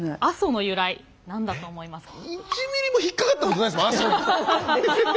阿蘇の由来何だと思いますか？